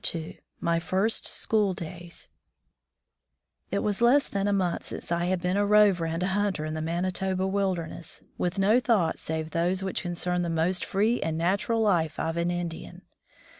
IS n MY FIRST SCHOOL DAYS TT was less than a montli since I had been a '*' rover and a hunter in the Manitoba wil derness, with no thoughts save those which concern the most free and natural life of an Indian.